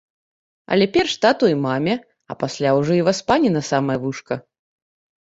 Але перш тату і маме, а пасля ўжо і васпані на самае вушка.